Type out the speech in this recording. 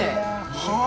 はあ！